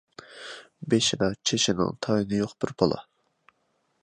بېشىدا چېچىنىڭ تايىنى يوق بىر بالا.